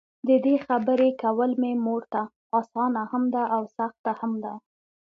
ددې خبري کول مې مورته؛ اسانه هم ده او سخته هم ده.